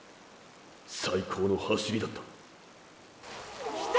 最高の走りだった来た！